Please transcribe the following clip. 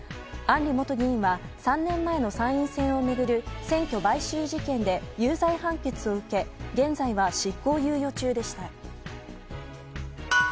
案里元議員は３年前の参院選を巡る選挙買収事件で有罪判決を受け現在は執行猶予中でした。